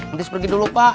entis pergi dulu pak